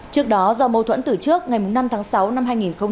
trước đó do mâu thuẫn từ trước ngày năm tháng sáu năm hai nghìn hai mươi